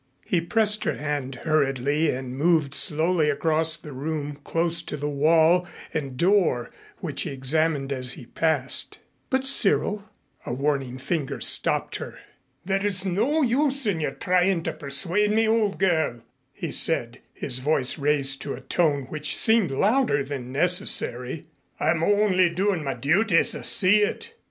He pressed her hand hurriedly and moved slowly across the room close to the wall and door, which he examined as he passed. "But, Cyril " A warning finger stopped her. "There is no use in your trying to persuade me, old girl," he said, his voice raised to a tone which seemed louder than necessary. "I am only doing my duty as I see it.